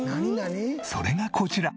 それがこちら。